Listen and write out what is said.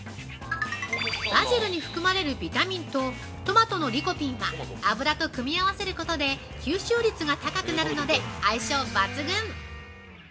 ◆バジルに含まれるビタミンとトマトのリコピンは油と組み合わせることで吸収率が高くなるので、相性抜群！